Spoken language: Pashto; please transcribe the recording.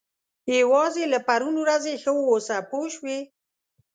یوازې له پرون ورځې ښه واوسه پوه شوې!.